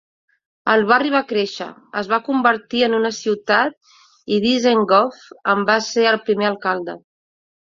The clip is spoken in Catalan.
El barri va créixer, es va convertir en una ciutat i Dizengoff en va ser el primer alcalde.